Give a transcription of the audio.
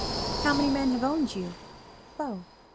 "How many men have owned you?" "Fo."